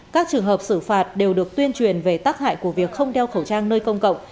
các trường hợp xử phạt đều được tuyên truyền về tác hại của việc không đeo khẩu trang nơi công cộng